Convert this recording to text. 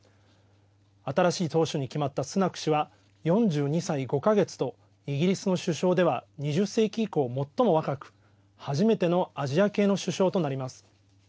新しい党首に決まったスナク氏は４２歳５か月と、イギリスの首相では２０世紀以降、最も若く、初めてのアジア系の首相となります。